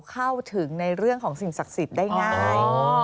เข้าถึงในเรื่องของสิ่งศักดิ์สิทธิ์ได้ง่าย